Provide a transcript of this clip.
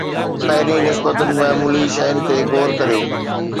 پهرين نسبتا معمولي شين تي غور ڪريو.